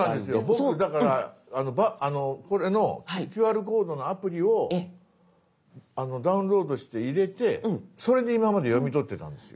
僕だからこれのＱＲコードのアプリをダウンロードして入れてそれで今まで読み取ってたんですよ。